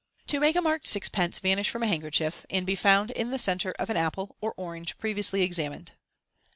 To make a Marked Sixpence vanish prom a Handkerchief, AND BE FOUND IN THE CENTRB OF AN APPLE OR ORANGE PREVI OUSLY examined.